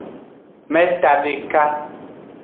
Meta deka.